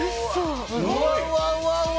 うわうわうわうわ！